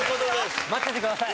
待っててください。